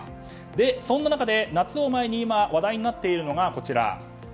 そんな中で夏を前に今話題になっているのがこちら。